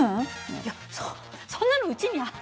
いやそそんなのうちにあった？